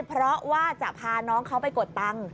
เพราะว่าจะพาน้องเขาไปกดตังค์